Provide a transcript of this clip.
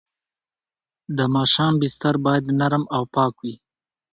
د ماشوم بستر باید نرم او پاک وي۔